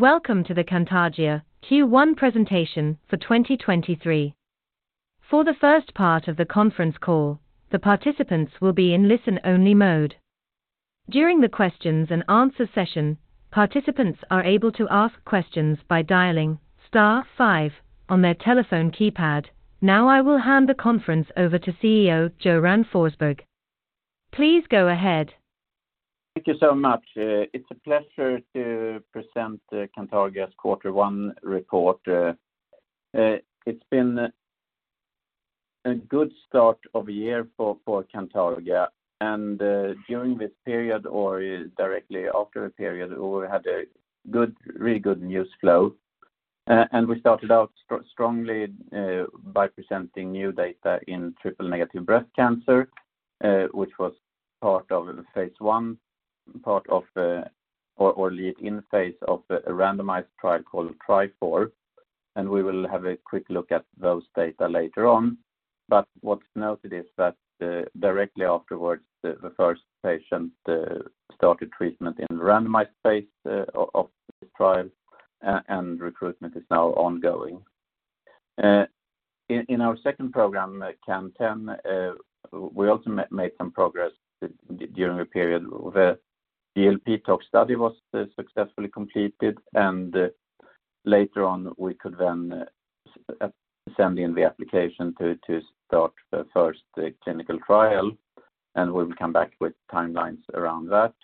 Welcome to the Cantargia Q1 presentation for 2023. For the first part of the conference call, the participants will be in listen-only mode. During the questions and answer session, participants are able to ask questions by dialing star five on their telephone keypad. Now I will hand the conference over to CEO, Göran Forsberg. Please go ahead. Thank you so much. It's a pleasure to present Cantargia's quarter one report. It's been a good start of year for Cantargia. During this period, or directly after the period, we had a really good news flow. We started out strongly by presenting new data in triple-negative breast cancer, which was part of the phase I, part of the lead in phase of a randomized trial called TRIFOUR. We will have a quick look at those data later on. What's noted is that directly afterwards, the first patient started treatment in randomized phase of this trial, and recruitment is now ongoing. In our second program, CAN10, we also made some progress during the period. The GLP tox study was successfully completed. Later on, we could send in the application to start the first clinical trial. We'll come back with timelines around that.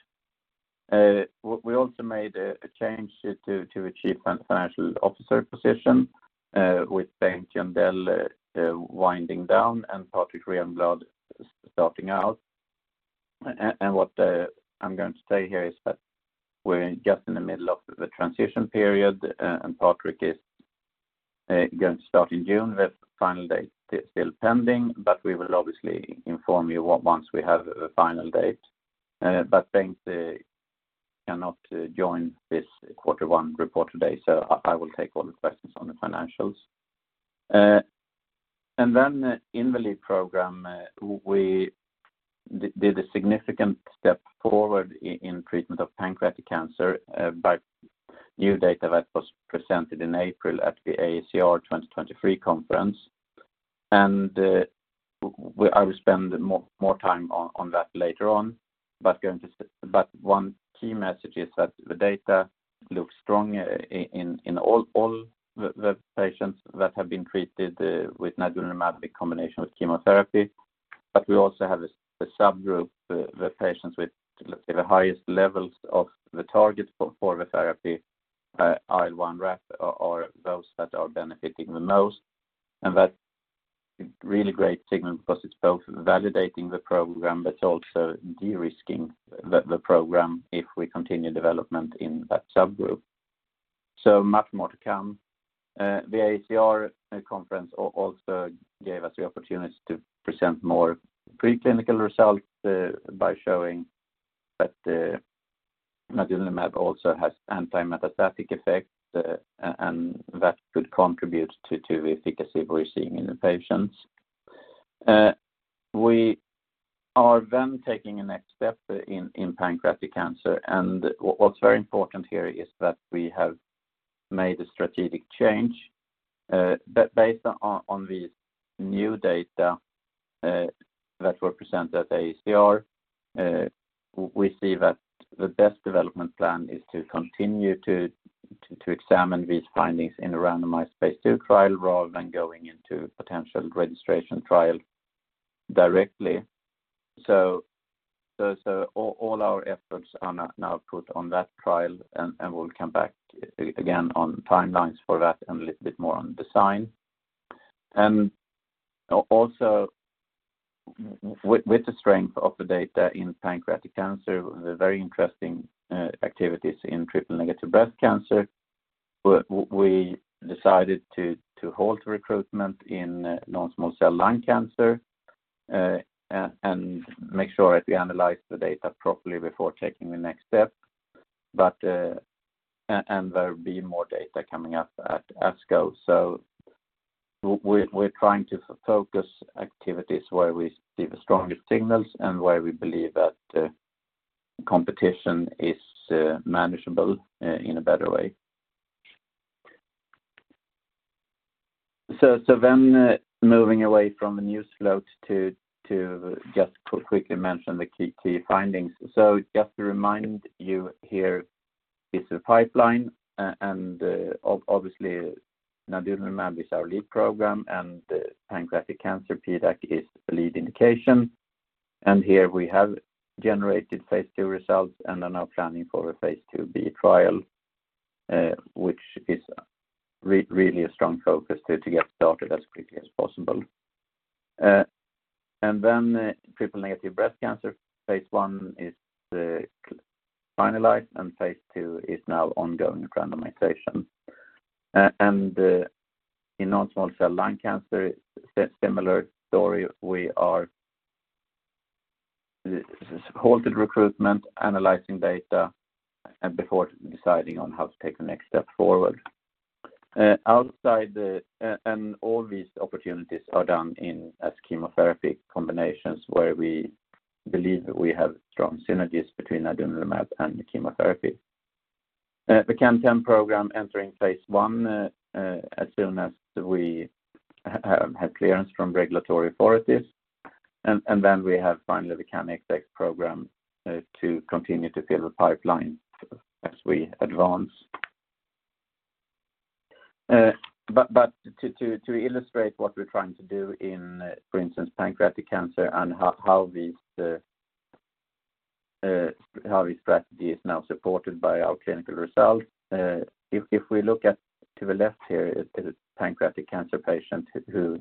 We also made a change to chief financial officer position with Bengt Jöndell winding down and Patrik Renblad starting out. What I'm going to say here is that we're just in the middle of the transition period. Patrik is going to start in June. The final date is still pending. We will obviously inform you once we have the final date. Bengt cannot join this quarter one report today. I will take all the questions on the financials. Then in the lead program, we did a significant step forward in treatment of pancreatic cancer by new data that was presented in April at the AACR 2023 conference. I will spend more time on that later on. One key message is that the data looks strong in all the patients that have been treated with nadunolimab in combination with chemotherapy. We also have a subgroup, the patients with, let's say, the highest levels of the targets for the therapy, IL1RAP are those that are benefiting the most. That's a really great signal 'cause it's both validating the program but also de-risking the program if we continue development in that subgroup. Much more to come. The AACR conference also gave us the opportunity to present more preclinical results by showing that nadunolimab also has anti-metastatic effects, and that could contribute to the efficacy we're seeing in the patients. We are taking a next step in pancreatic cancer. What's very important here is that we have made a strategic change based on these new data that were presented at AACR. We see that the best development plan is to continue to examine these findings in a randomized phase 2 trial rather than going into potential registration trial directly. All our efforts are now put on that trial, and we'll come back again on timelines for that and a little bit more on design. With the strength of the data in pancreatic cancer, the very interesting activities in triple-negative breast cancer, we decided to halt recruitment in non-small cell lung cancer and make sure that we analyze the data properly before taking the next step. There'll be more data coming up at ASCO. We're trying to focus activities where we see the strongest signals and where we believe that competition is manageable in a better way. Moving away from the new slope to just quickly mention the key findings. Just to remind you here is the pipeline. Obviously, nadunolimab is our lead program, and pancreatic cancer PDAC is the lead indication. Here we have generated phase II results and are now planning for a phase II-B trial, which is really a strong focus to get started as quickly as possible. Triple-negative breast cancer, phase I is finalized, and phase II is now ongoing randomization. In non-small cell lung cancer, similar story. We are halted recruitment, analyzing data, and before deciding on how to take the next step forward. All these opportunities are down in as chemotherapy combinations where we believe that we have strong synergies between nadunolimab and the chemotherapy. The CAN10 program entering phase I, as soon as we have clearance from regulatory authorities. Then we have finally the CANxx program to continue to fill the pipeline as we advance. To illustrate what we're trying to do in, for instance, pancreatic cancer and how these, how this strategy is now supported by our clinical results. If we look at to the left here is a pancreatic cancer patient who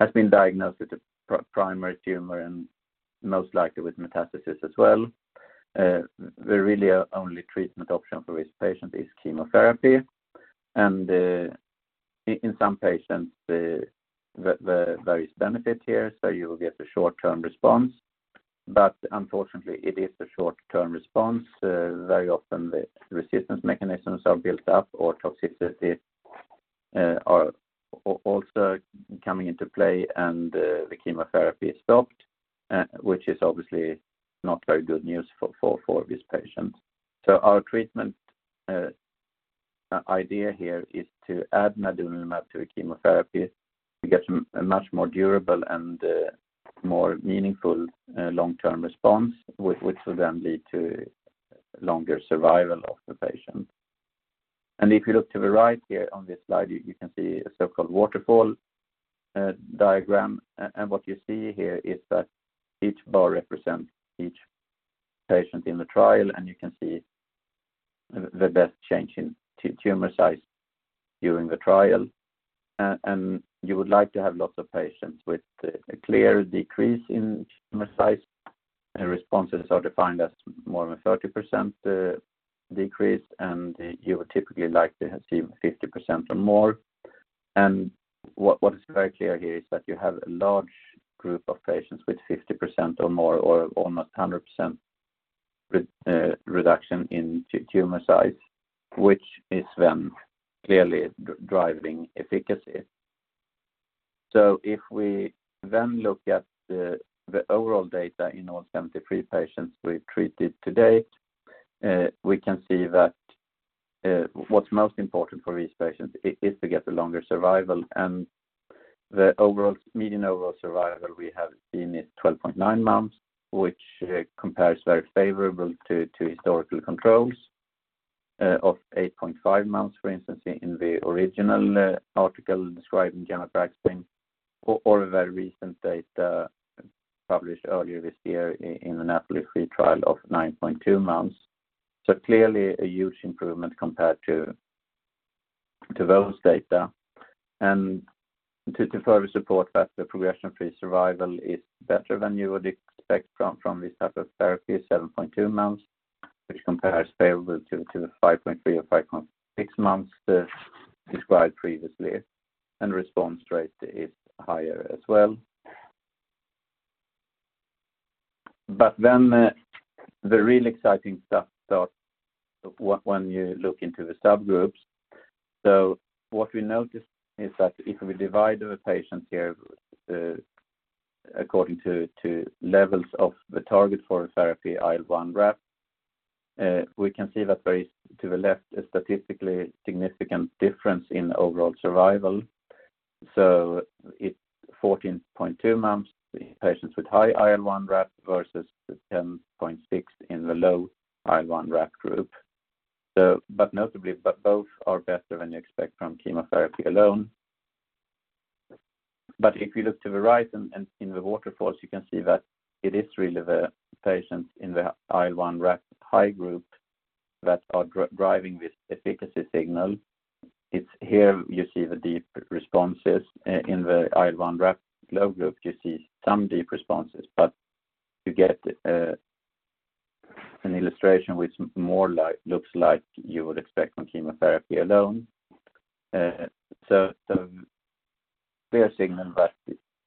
has been diagnosed with a primary tumor and most likely with metastasis as well. The really only treatment option for this patient is chemotherapy. In some patients, there is benefit here, so you will get a short-term response. Unfortunately, it is a short-term response. Very often the resistance mechanisms are built up or toxicity are also coming into play and the chemotherapy is stopped, which is obviously not very good news for this patient. Our treatment idea here is to add nadunolimab to the chemotherapy to get some, a much more durable and more meaningful long-term response, which will lead to longer survival of the patient. If you look to the right here on this slide, you can see a so-called waterfall diagram. What you see here is that each bar represents each patient in the trial, and you can see the best change in tumor size during the trial. You would like to have lots of patients with a clear decrease in tumor size, and responses are defined as more than 30% decrease, and you would typically like to have seen 50% or more. What is very clear here is that you have a large group of patients with 50% or more or almost 100% reduction in tumor size, which is then clearly driving efficacy. If we then look at the overall data in all 73 patients we've treated to date, we can see that what's most important for these patients is to get the longer survival and the median overall survival, we have seen it 12.9 months, which compares very favorable to historical controls of 8.5 months, for instance, in the original article describing gemcitabine or a very recent data published earlier this year in the NAPOLI-3 trial of 9.2 months. Clearly a huge improvement compared to those data. To further support that the progression-free survival is better than you would expect from this type of therapy is 7.2 months, which compares favorable to the 5.3 or 5.6 months described previously, and response rate is higher as well. The real exciting stuff starts when you look into the subgroups. What we noticed is that if we divide the patients here, according to levels of the target for therapy IL1RAP, we can see that there is to the left a statistically significant difference in overall survival. It's 14.2 months in patients with high IL1RAP versus the 10.6 in the low IL1RAP group. Notably, but both are better than you expect from chemotherapy alone. If you look to the right and in the waterfalls, you can see that it is really the patients in the IL1RAP high group that are driving this efficacy signal. It's here you see the deep responses. In the IL1RAP low group, you see some deep responses, but you get an illustration which more looks like you would expect from chemotherapy alone. So the clear signal that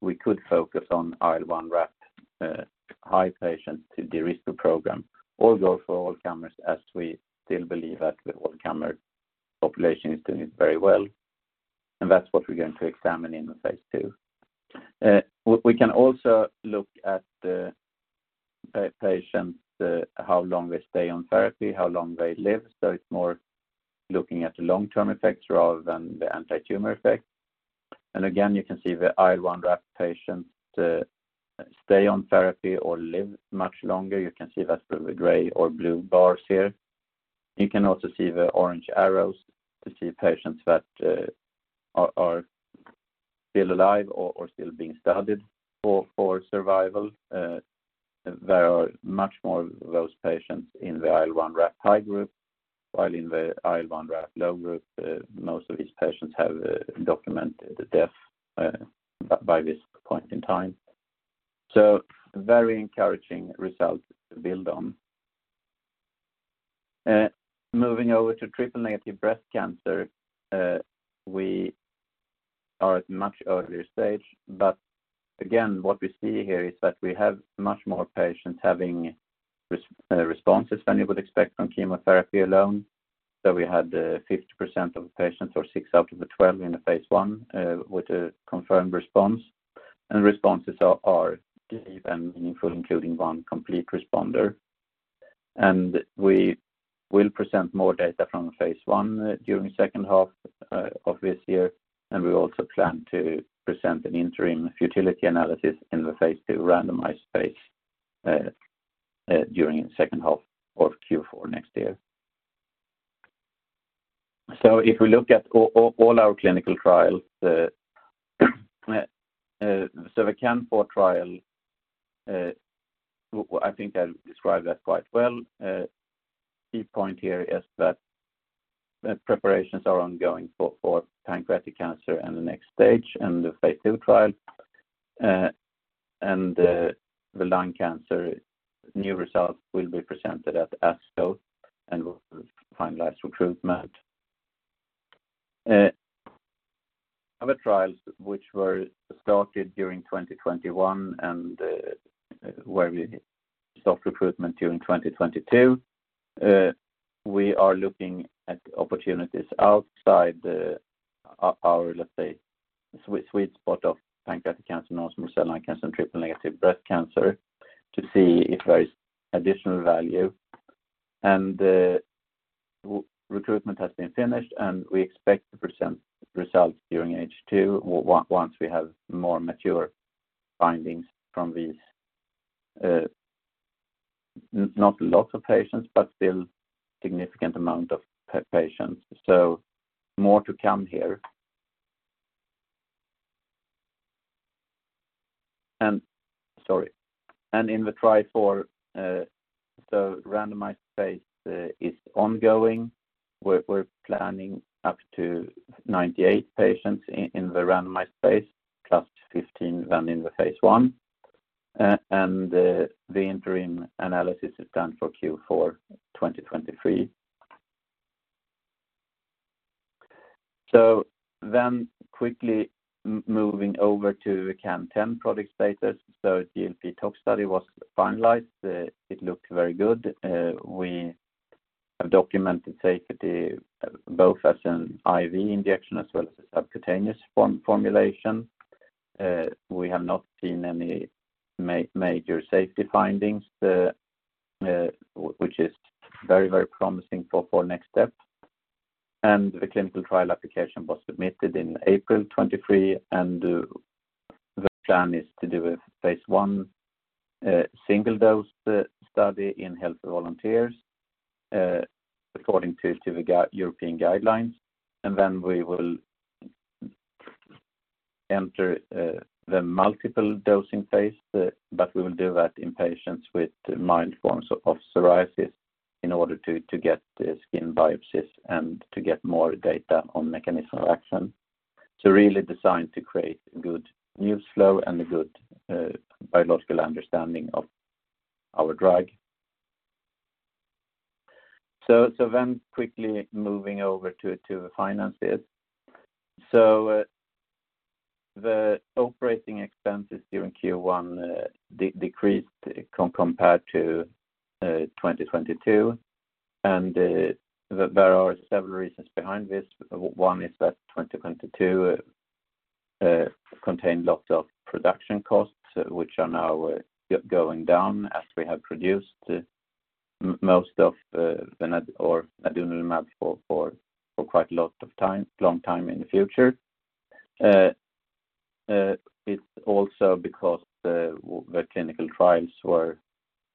we could focus on IL1RAP high patients to de-risk the program or go for all comers as we still believe that the all comer population is doing very well. That's what we're going to examine in the phase II. We can also look at the patients, how long they stay on therapy, how long they live. It's more looking at the long-term effects rather than the antitumor effect. Again, you can see the IL1RAP patients stay on therapy or live much longer. You can see that's the gray or blue bars here. You can also see the orange arrows to see patients that are still alive or still being studied for survival. There are much more of those patients in the IL1RAP high group, while in the IL1RAP low group, most of these patients have documented death by this point in time. Very encouraging results to build on. Moving over to triple-negative breast cancer, we are at much earlier stage. Again, what we see here is that we have much more patients having responses than you would expect from chemotherapy alone. We had 50% of patients or six out of the 12 in the phase I with a confirmed response. Responses are deep and meaningful, including one complete responder. We will present more data from phase I during H2 of this year. We also plan to present an interim futility analysis in the phase II randomized phase during H2 of Q4 next year. If we look at all our clinical trials, the CANFOUR trial, well, I think I described that quite well. Key point here is that preparations are ongoing for pancreatic cancer in the next stage and the phase II trial. The lung cancer, new results will be presented at ASCO, and we'll finalize recruitment. Other trials which were started during 2021 and where we stopped recruitment during 2022, we are looking at opportunities outside the our, let's say, sweet spot of pancreatic cancer, non-small cell lung cancer, and triple-negative breast cancer to see if there is additional value. The recruitment has been finished, and we expect to present results during H2 once we have more mature findings from these, not lots of patients, but still significant amount of patients. More to come here. Sorry. In the TRIFOUR, randomized phase is ongoing. We're planning up to 98 patients in the randomized phase, plus 15 run in the phase I. The interim analysis is done for Q4 2023. Quickly moving over to the CAN10 product status. GLP tox study was finalized. It looked very good. We have documented safety both as an IV injection as well as a subcutaneous formulation. We have not seen any major safety findings, which is very, very promising for next step. The clinical trial application was submitted in April 2023, and the plan is to do a phase I, single-dose study in healthy volunteers, according to European guidelines. Then we will enter the multiple dosing phase, but we will do that in patients with mild forms of psoriasis in order to get the skin biopsies and to get more data on mechanism of action. Really designed to create good news flow and a good biological understanding of our drug. Then quickly moving over to the finances. The operating expenses during Q1 decreased compared to 2022. There are several reasons behind this. One is that 2022 contained lots of production costs, which are now going down as we have produced most of nadunolimab for quite a lot of time, long time in the future. It's also because the clinical trials were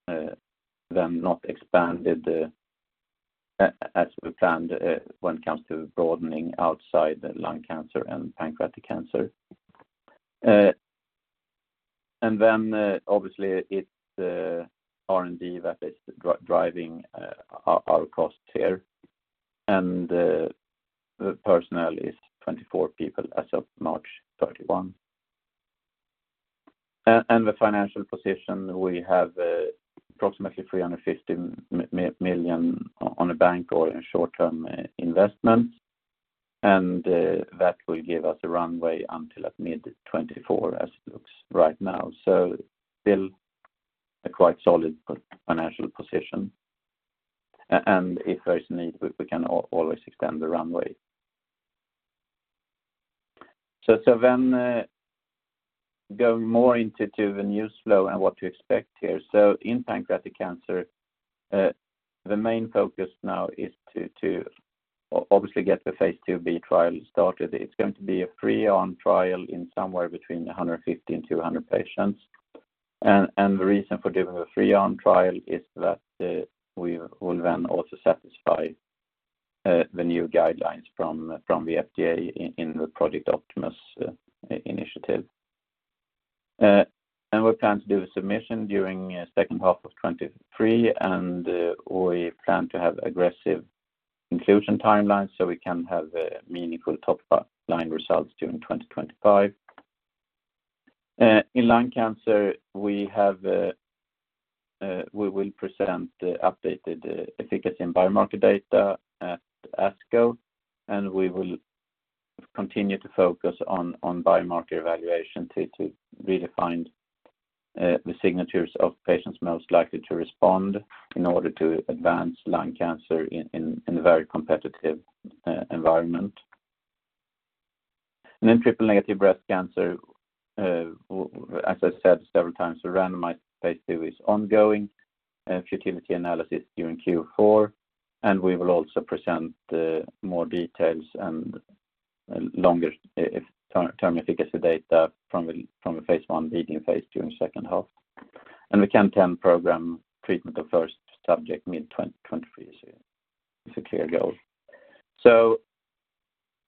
then not expanded as we planned when it comes to broadening outside the lung cancer and pancreatic cancer. Obviously, it's the R&D that is driving our costs here. The personnel is 24 people as of March 31. The financial position. We have approximately 350 million on the bank or in short-term investments. That will give us a runway until at mid 2024 as it looks right now. Still a quite solid financial position. If there's need, we can always extend the runway. Then go more into the news flow and what to expect here. In pancreatic cancer, the main focus now is to obviously get the phase II-B trial started. It's going to be a three-arm trial in somewhere between 150 and 200 patients. The reason for doing a three-arm trial is that we will then also satisfy the new guidelines from the FDA in the Project Optimus initiative. We plan to do a submission during H2 of 2023, and we plan to have aggressive inclusion timelines, so we can have a meaningful top line results during 2025. In lung cancer, we will present the updated efficacy and biomarker data at ASCO, and we will continue to focus on biomarker evaluation to really find the signatures of patients most likely to respond in order to advance lung cancer in a very competitive environment. Triple-negative breast cancer, as I said several times, the randomized phase II is ongoing, futility analysis during Q4, and we will also present more details and longer term efficacy data from the phase I leading phase II in the H2. The CAN10 program treatment of first subject mid-2023 is a clear goal.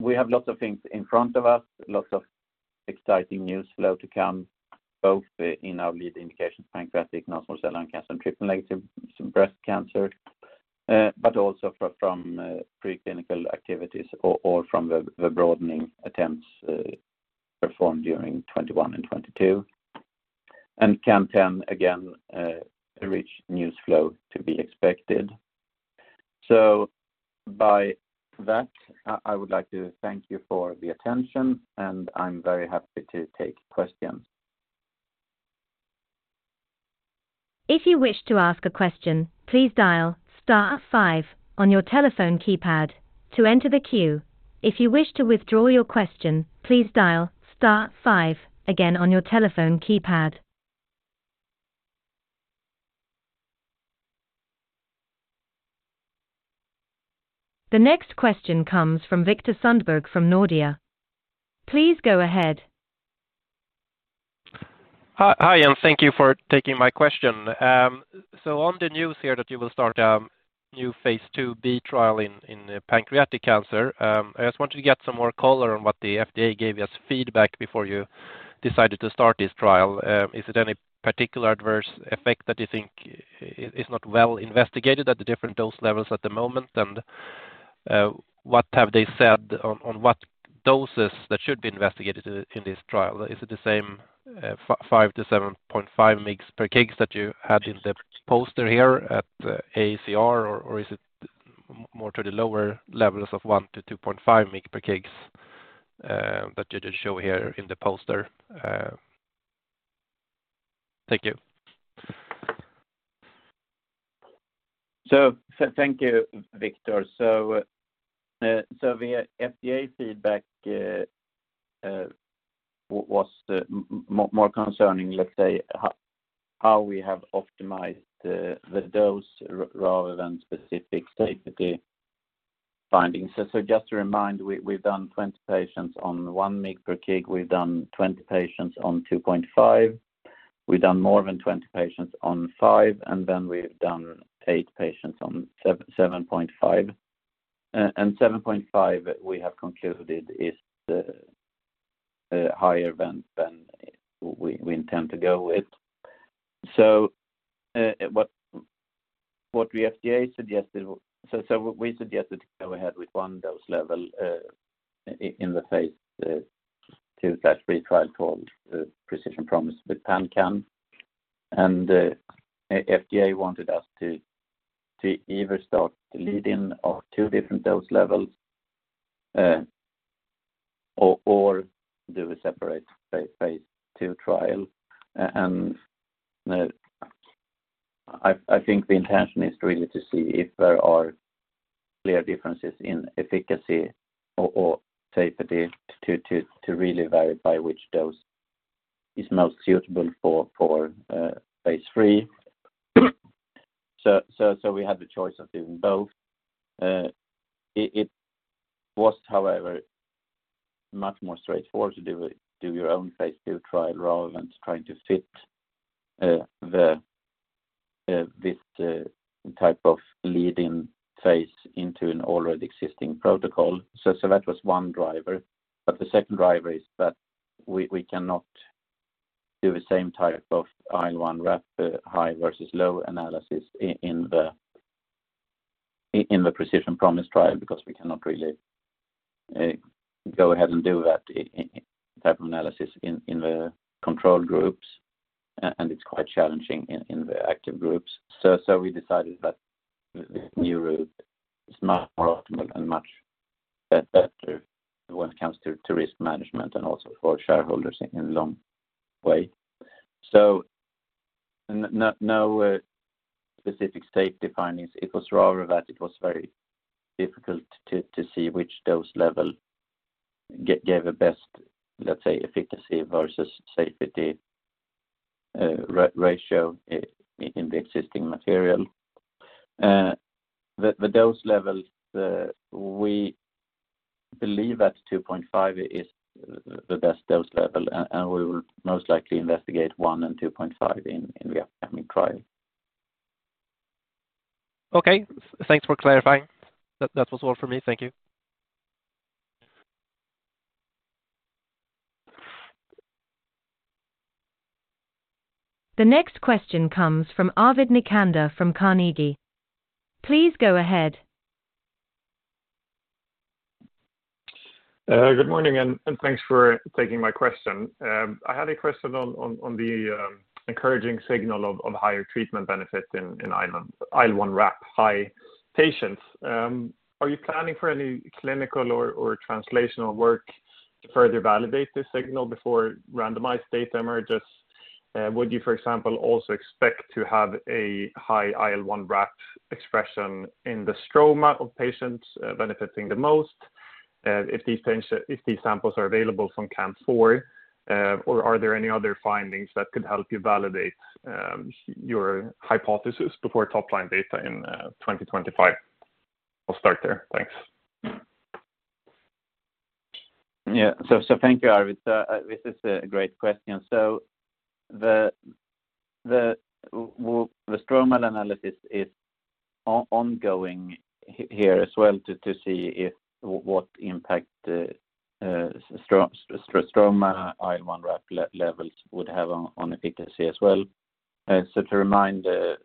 We have lots of things in front of us, lots of exciting news flow to come, both in our lead indications, pancreatic, non-small cell lung cancer, and triple-negative breast cancer, but also from preclinical activities or from the broadening attempts performed during 2021 and 2022. CAN10, again, a rich news flow to be expected. By that, I would like to thank you for the attention, and I'm very happy to take questions. If you wish to ask a question, please dial star five on your telephone keypad to enter the queue. If you wish to withdraw your question, please dial star five again on your telephone keypad. The next question comes from Viktor Sundberg from Nordea. Please go ahead. Hi, hi, thank you for taking my question. On the news here that you will start a new phase II-B trial in pancreatic cancer, I just wanted to get some more color on what the FDA gave you as feedback before you decided to start this trial. Is it any particular adverse effect that you think is not well investigated at the different dose levels at the moment? What have they said on what doses that should be investigated in this trial? Is it the same, 5 mg per kg-7.5 mg per kg that you had in the poster here at the AACR, or is it more to the lower levels of 1 mg per kg-2.5 mg per kg, that you just show here in the poster? Thank you. Thank you, Viktor. The FDA feedback was more concerning, let's say, how we have optimized the dose rather than specific safety findings. Just to remind, we've done 20 patients on 1 mg per kg, we've done 20 patients on 2.5, we've done more than 20 patients on 5, and then we've done 8 patients on 7.5. 7.5 we have concluded is the higher than we intend to go with. We suggested to go ahead with one dose level in the phase II/III trial called Precision Promise with PanCAN. The FDA wanted us to either start the lead-in of 2 different dose levels or do a separate phase II trial. I think the intention is really to see if there are clear differences in efficacy or safety to really verify which dose is most suitable for Phase III. We had the choice of doing both. It was, however, much more straightforward to do your own Phase II trial rather than trying to fit the this type of lead-in phase into an already existing protocol. That was one driver. The second driver is that we cannot do the same type of IL1RAP high versus low analysis in the Precision Promise trial, because we cannot really go ahead and do that in type of analysis in the control groups. It's quite challenging in the active groups. We decided that the new route is much more optimal and much better when it comes to risk management and also for shareholders in the long way. No specific safety findings. It was rather that it was very difficult to see which dose level gave the best, let's say, efficacy versus safety ratio in the existing material. The dose levels, we believe that 2.5 is the best dose level, and we will most likely investigate 1 and 2.5 in the upcoming trial. Okay. Thanks for clarifying. That was all for me. Thank you. The next question comes from Arvid Necander from Carnegie. Please go ahead. Good morning and thanks for taking my question. I had a question on the encouraging signal of higher treatment benefits in IL1RAP high patients. Are you planning for any clinical or translational work to further validate this signal before randomized data emerges? Would you, for example, also expect to have a high IL1RAP expression in the stroma of patients benefiting the most, if these samples are available from CANFOUR, or are there any other findings that could help you validate your hypothesis before top line data in 2025? I'll start there. Thanks. Yeah. Thank you, Arvid. This is a great question. The well, the stromal analysis is ongoing here as well to see what impact the stromal IL1RAP levels would have on efficacy as well. To remind the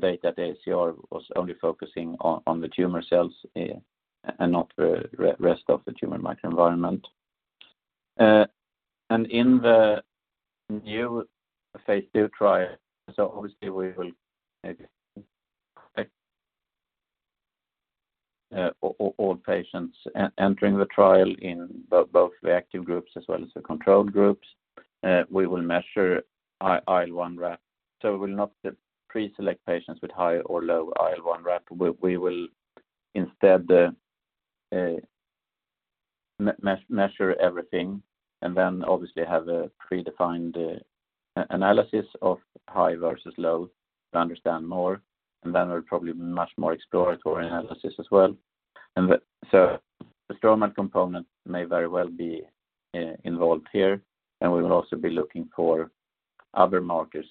data, the ACR was only focusing on the tumor cells and not the rest of the tumor microenvironment. In the new phase II trial, obviously we will maybe... All patients entering the trial in both the active groups as well as the control groups, we will measure IL1RAP. We will not pre-select patients with high or low IL1RAP. We will instead measure everything and obviously have a predefined analysis of high versus low to understand more. There'll probably be much more exploratory analysis as well. The... The stromal component may very well be involved here, and we will also be looking for other markers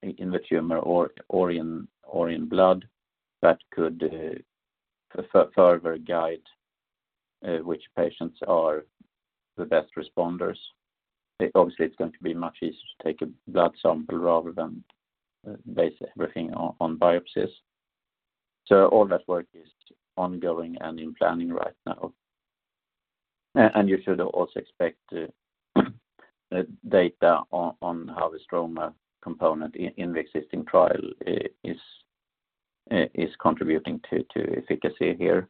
in the tumor or in blood that could further guide which patients are the best responders. Obviously, it's going to be much easier to take a blood sample rather than base everything on biopsies. All that work is ongoing and in planning right now. You should also expect data on how the stroma component in the existing trial is contributing to efficacy here.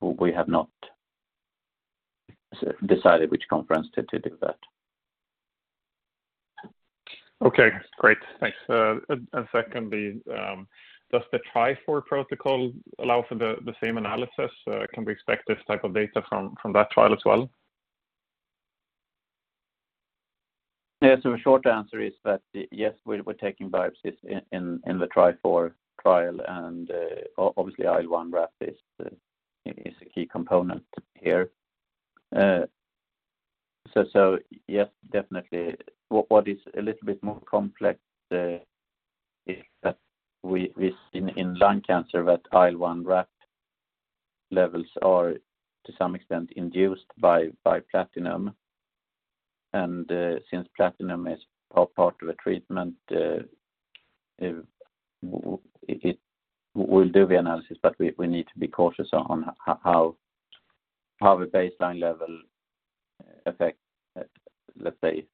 We have not decided which conference to do that. Okay, great. Thanks. Secondly, does the TRIFOUR protocol allow for the same analysis? Can we expect this type of data from that trial as well? Short answer is that yes, we're taking biopsies in the TRIFOUR trial. Obviously IL1RAP is a key component here. Yes, definitely. What is a little bit more complex is that we've seen in lung cancer that IL1RAP levels are to some extent induced by platinum. Since platinum is part of a treatment, we'll do the analysis, but we need to be cautious on how the baseline level affect, let's say,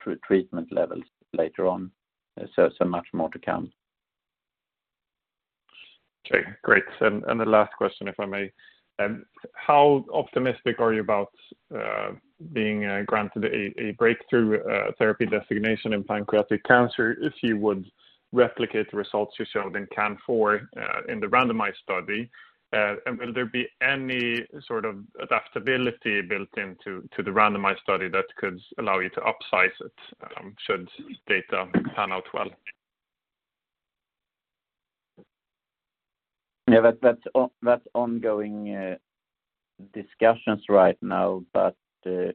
pre-treatment levels later on. Much more to come. Okay, great. The last question, if I may. How optimistic are you about being granted a breakthrough therapy designation in pancreatic cancer if you would replicate the results you showed in CANFOUR in the randomized study? Will there be any sort of adaptability built into the randomized study that could allow you to upsize it, should data pan out well? Yeah. That's ongoing discussions right now. There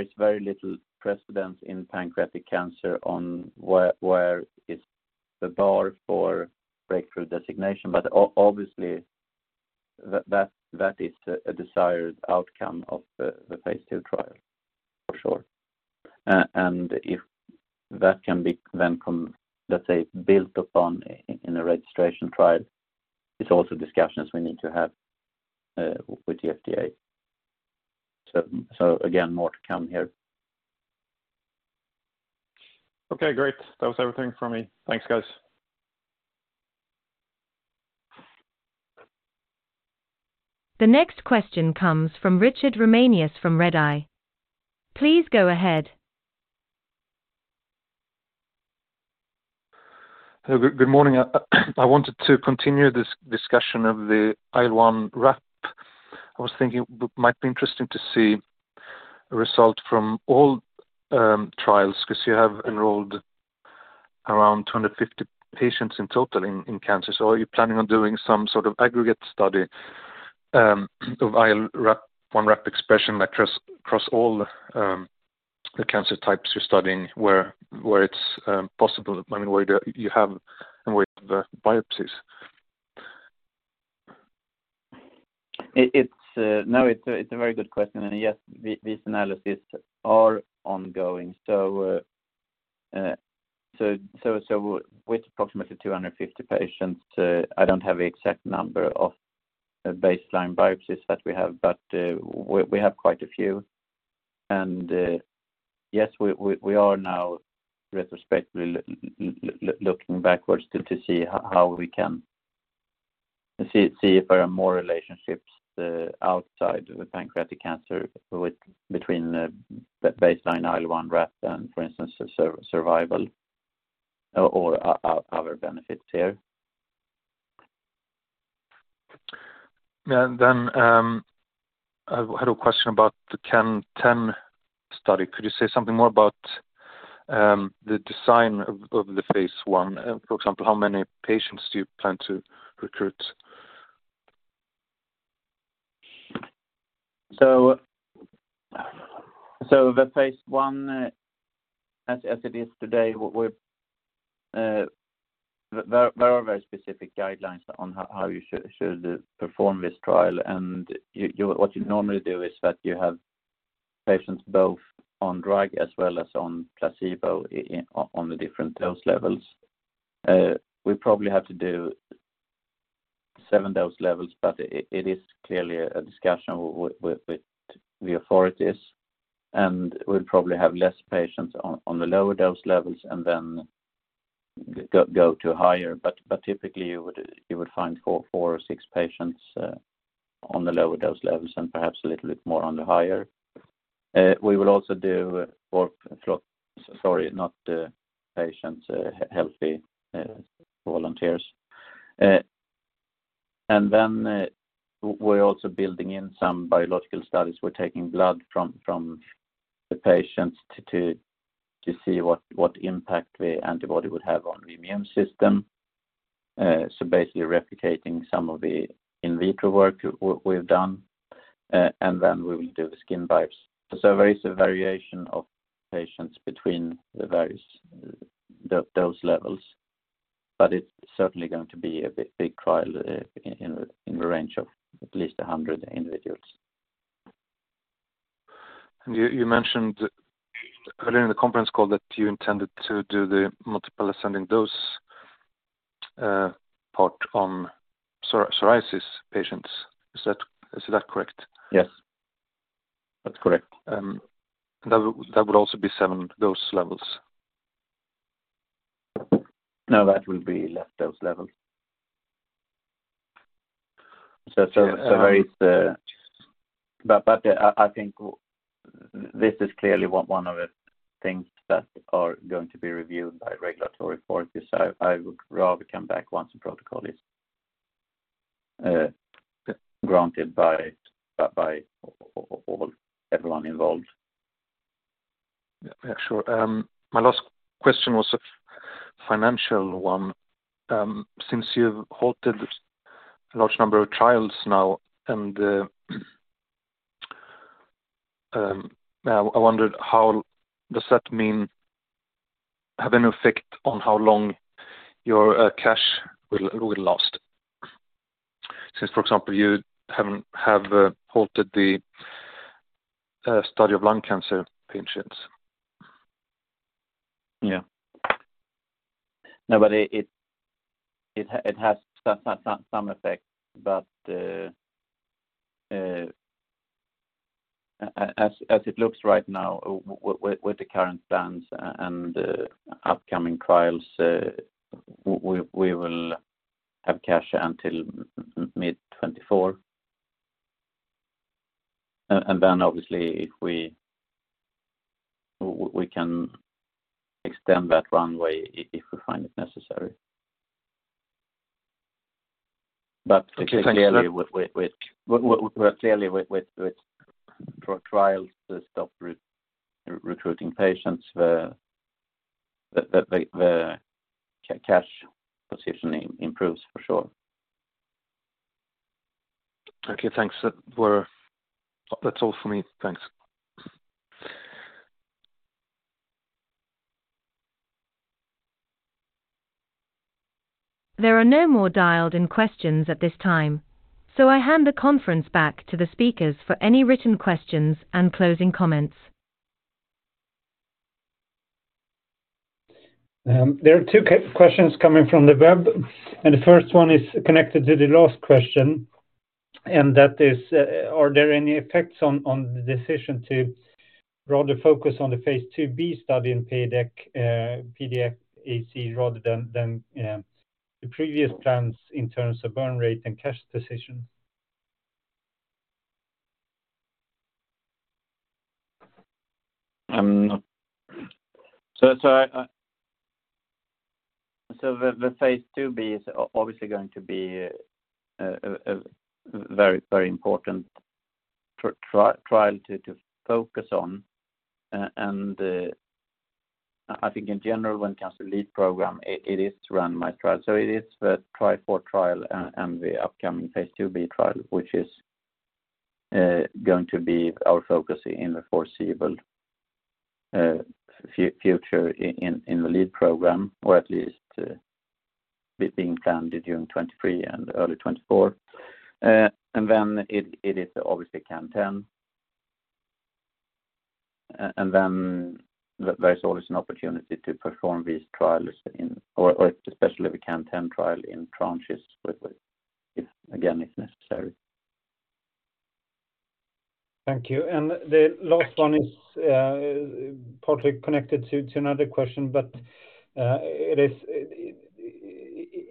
is very little precedence in pancreatic cancer on where is the bar for breakthrough designation. Obviously, that is a desired outcome of the phase II trial for sure. If that can be then let's say built upon in a registration trial is also discussions we need to have with the FDA. More to come here. Okay, great. That was everything from me. Thanks, guys. The next question comes from Richard Ramanius from Redeye. Please go ahead. Hello, good morning. I wanted to continue this discussion of the IL1RAP. I was thinking what might be interesting to see a result from all trials 'cause you have enrolled around 250 patients in total in cancers. Are you planning on doing some sort of aggregate study of IL1RAP expression across all the cancer types you're studying where it's possible? I mean, where do you have and where you have the biopsies? It's... No, it's a, it's a very good question. Yes, these analyses are ongoing. With approximately 250 patients, I don't have the exact number of baseline biopsies that we have, but we have quite a few. Yes, we are now retrospectively looking backwards to see if there are more relationships outside of the pancreatic cancer with between baseline IL1RAP and, for instance, survival or other benefits here. I had a question about the CAN10 study. Could you say something more about the design of the phase I? For example, how many patients do you plan to recruit? The phase I, as it is today, we're, there are very specific guidelines on how you should perform this trial. What you normally do is that you have patients both on drug as well as on placebo on the different dose levels. We probably have to do seven dose levels, but it is clearly a discussion with the authorities, and we'll probably have less patients on the lower dose levels and then go to higher. Typically, you would find four or six patients on the lower dose levels and perhaps a little bit more on the higher. We will also Sorry, not patients, healthy volunteers. Then, we're also building in some biological studies. We're taking blood from the patients to see what impact the antibody would have on the immune system, so basically replicating some of the in vitro work we've done. We will do skin biopsies. There is a variation of patients between the various dose levels, but it's certainly going to be a big trial, in the range of at least 100 individuals. You mentioned earlier in the conference call that you intended to do the multiple ascending dose part on psoriasis patients. Is that correct? Yes. That's correct. That would also be seven dose levels. No, that will be less dose levels. Yeah. I think this is clearly one of the things that are going to be reviewed by regulatory authorities. I would rather come back once the protocol is granted by all, everyone involved. Yeah. Sure. My last question was a financial one. Since you've halted a large number of trials now, I wondered how. Does that mean, have any effect on how long your cash will last? Since, for example, you haven't halted the study of lung cancer patients. Yeah. No, it has some effect, but as it looks right now with the current plans and upcoming trials, we will have cash until mid 2024. Then obviously if we. We can extend that runway if we find it necessary. Clearly. Okay. Thanks. Well, clearly with trial, the stop recruiting patients, the cash positioning improves for sure. Okay. Thanks. That's all for me. Thanks. There are no more dialed in questions at this time, so I hand the conference back to the speakers for any written questions and closing comments. There are two questions coming from the web, and the first one is connected to the last question, and that is, are there any effects on the decision to rather focus on the phase II-B study in PDAC rather than the previous plans in terms of burn rate and cash decisions? The phase II-B is obviously going to be a very important trial to focus on and I think in general when cancer lead program, it is to run my trial. It is the TRIFOUR trial and the upcoming phase II-B trial, which is going to be our focus in the foreseeable future in the lead program, or at least being planned during 2023 and early 2024. It is obviously CAN10. There is always an opportunity to perform these trials in or especially the CAN10 trial in tranches with if again it's necessary. Thank you. The last one is partly connected to another question, but it is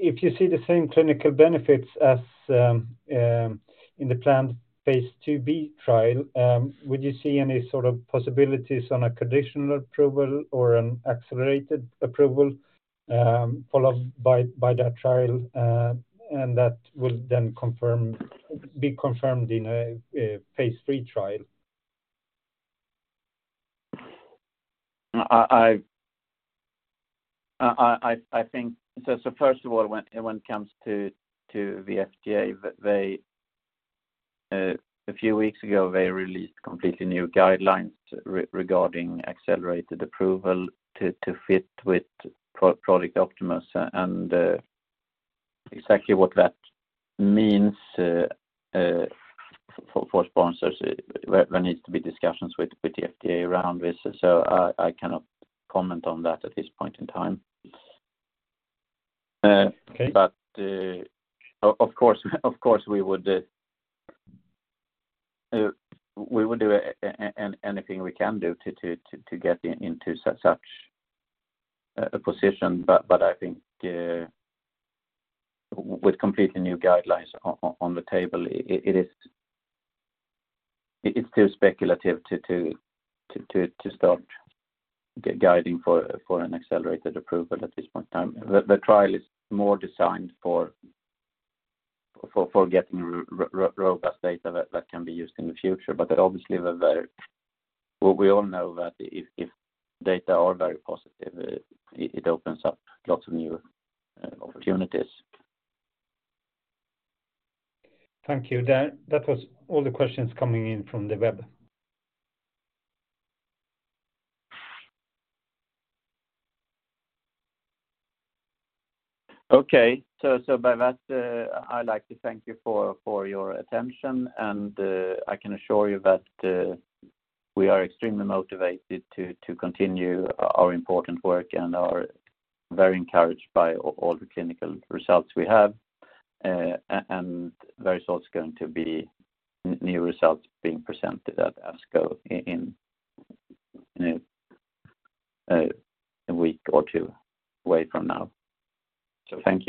if you see the same clinical benefits as in the planned phase II-B trial, would you see any sort of possibilities on a conditional approval or an Accelerated Approval followed by that trial, and that will then be confirmed in a phase III trial? I think. First of all, when it comes to the FDA, they a few weeks ago, they released completely new guidelines regarding Accelerated Approval to fit with Project Optimus. Exactly what that means for sponsors, there needs to be discussions with the FDA around this. I cannot comment on that at this point in time. Okay. Of course, of course, we would, we would do anything we can do to get into such a position. I think, with completely new guidelines on the table, it's still speculative to start guiding for an Accelerated Approval at this point in time. The trial is more designed for getting robust data that can be used in the future. Obviously, we all know that if data are very positive, it opens up lots of new opportunities. Thank you. That was all the questions coming in from the web. Okay. By that, I'd like to thank you for your attention, and I can assure you that we are extremely motivated to continue our important work and are very encouraged by all the clinical results we have. There is also going to be new results being presented at ASCO in a week or two away from now. Thank you.